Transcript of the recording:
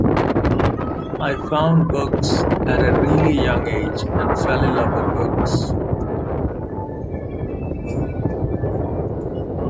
I found books at a really young age and fell in love with books.